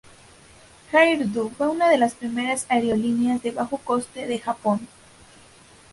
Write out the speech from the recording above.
Air Do fue una de las primeras aerolíneas de bajo coste de Japón.